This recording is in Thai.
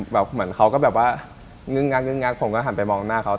พี่ตาก็คิดว่าจะมาห้าม